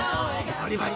バリバリ！